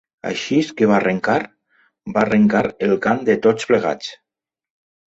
Aixís que va arrencar, va arrencar el cant de tots plegats